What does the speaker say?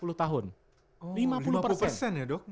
udah tua tua ya dok